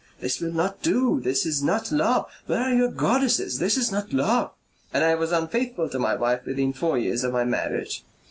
'This will not do. This is not love. Where are your goddesses? This is not love.'... And I was unfaithful to my wife within four years of my marriage.